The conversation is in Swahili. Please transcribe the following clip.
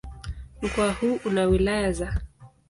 Mkoa huu una wilaya za